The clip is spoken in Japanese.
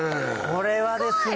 これはですね。